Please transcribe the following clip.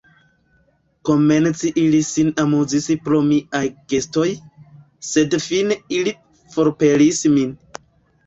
Komence ili sin amuzis pro miaj gestoj, sed fine ili forpelis min.